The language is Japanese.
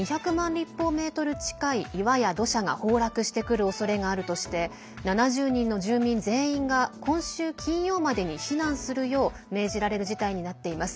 立方メートル近い岩や土砂が崩落してくるおそれがあるとして７０人の住民全員が今週、金曜までに避難するよう命じられる事態になっています。